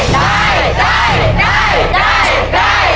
ได้หรือไม่ได้